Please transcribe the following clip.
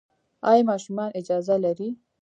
ایا ماشومان اجازه لري؟